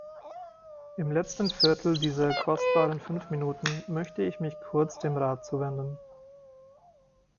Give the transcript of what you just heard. Im letzten Viertel dieser kostbaren fünf Minuten möchte ich mich kurz dem Rat zuwenden.